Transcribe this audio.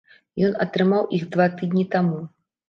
Ён атрымаў іх два тыдні таму.